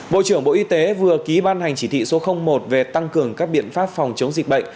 bộ trưởng bộ y tế vừa ký ban hành chỉ thị số một về tăng cường các biện pháp phòng chống dịch bệnh